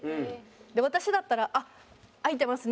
私だったら「あっ空いてますね」